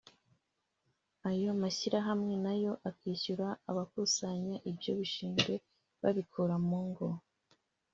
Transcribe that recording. ayo mashyirahamwe nayo akishyura abakusanya ibyo bishingwe babikura mu ngo